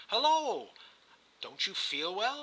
Hulloa! don't you feel well